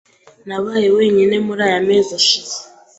Nabaye wenyine muri aya mezi ashize.